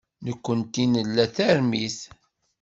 Nekkenti nla tarmit.